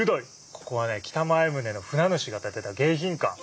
ここはね北前船の船主が建てた迎賓館。